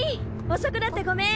遅くなってごめん！